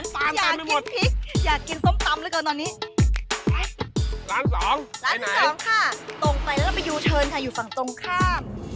ไปร้าน๒ไปไหนร้านที่๒ค่ะตรงไปแล้วไปอยู่เชิญค่ะอยู่ฝั่งตรงข้าม